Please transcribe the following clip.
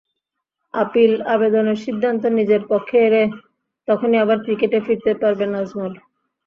Appeal আবেদনের সিদ্ধান্ত নিজের পক্ষে এলে তখনই আবার ক্রিকেটে ফিরতে পারবেন আজমল।